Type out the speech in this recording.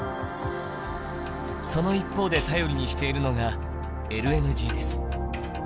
その一方で頼りにしているのがＬＮＧです。